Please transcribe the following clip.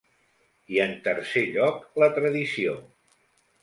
I en tercer lloc la tradició.